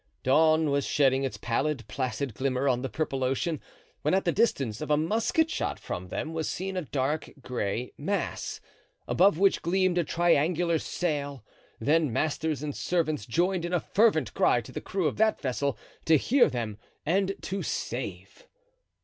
Dawn was shedding its pallid, placid glimmer on the purple ocean, when at the distance of a musket shot from them was seen a dark gray mass, above which gleamed a triangular sail; then masters and servants joined in a fervent cry to the crew of that vessel to hear them and to save.